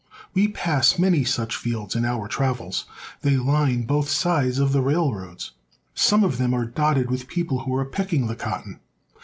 We pass many such fields in our travels. They line both sides of the railroads. Some of them are dotted with people who are picking the cotton.